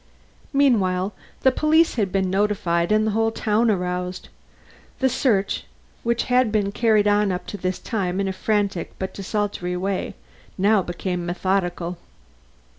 Meanwhile, the police had been notified and the whole town aroused. The search, which had been carried on up to this time in a frantic but desultory way, now became methodical.